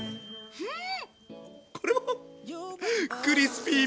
うん！